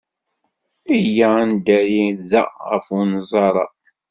Iyya ad neddari da ɣef unẓar-a.